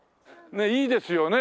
いいですよね